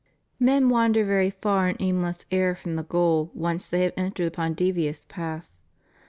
467 Men wander very far in aimless error from the goal once they have entered upon devious paths.